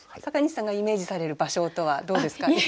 阪西さんがイメージされる芭蕉とはどうですか？